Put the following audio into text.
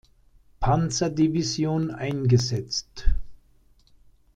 Panzer-Division eingesetzt.